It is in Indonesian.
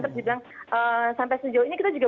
terus dia bilang sampai sejauh ini kita juga